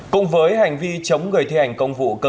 cùng với hành vi chống người thi hành công vụ cơ quan cảnh sát